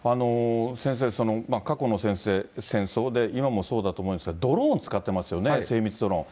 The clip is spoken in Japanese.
先生、過去の戦争で、今もそうだと思うんですけれども、ドローン使ってますよね、精密ドローン。